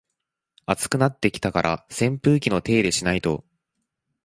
暑くなってきたから扇風機の手入れしないと